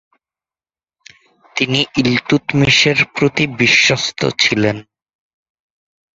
তিনি ইলতুৎমিশের প্রতি বিশ্বস্ত ছিলেন।